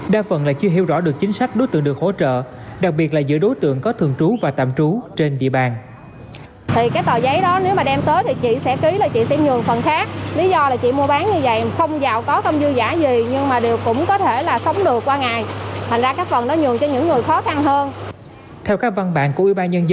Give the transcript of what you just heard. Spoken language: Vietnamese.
đa phần lại chưa hiểu được chính sách đối tượng được hỗ trợ đặc biệt là giữa đối tượng có thường trung